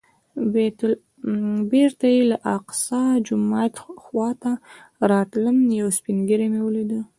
بېرته چې د الاقصی جومات خوا ته راتلم یو سپین ږیری مې ولید.